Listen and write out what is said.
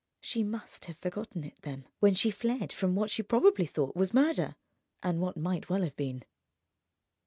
She must have forgotten it, then, when she fled from what she probably thought was murder, and what might well have been.